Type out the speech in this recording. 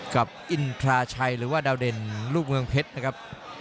กับอินทราชัยหรือว่าดาวเด่นลูกเมืองเพชรนะครับ